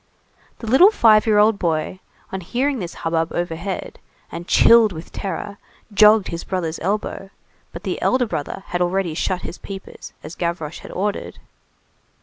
The little five year old boy, on hearing this hubbub overhead, and chilled with terror, jogged his brother's elbow; but the elder brother had already shut his peepers, as Gavroche had ordered.